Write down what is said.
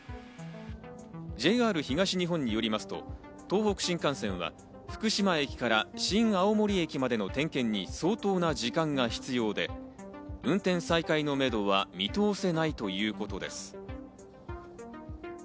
ＪＲ東日本によりますと東北新幹線は福島駅から新青森駅までの点検に相当な時間が必要で運転再開のめどは見通せないということです。